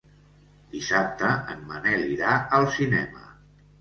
Dissabte en Manel irà al cinema.